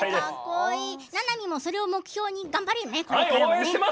ななみも、これを目標に頑張ります。